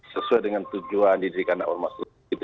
sesuai dengan tujuan didirikan ormas